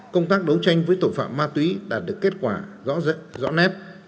công tác đấu tranh với tội phạm ma túy đạt được kết quả rõ nét